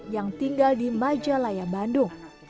yang tinggal di majalaya bandung